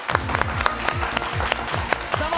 どうも！